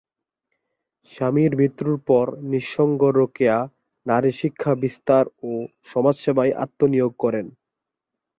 স্বামীর মৃত্যুর পর নিঃসঙ্গ রোকেয়া নারীশিক্ষা বিস্তার ও সমাজসেবায় আত্মনিয়োগ করেন।